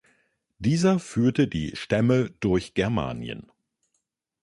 Dieser führte die Stämme durch Germanien.